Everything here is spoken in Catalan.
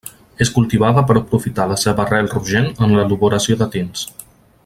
És cultivada per aprofitar la seva rel rogent en l'elaboració de tints.